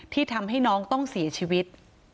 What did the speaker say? ที่ทำให้น้องต้องเสียชีวิต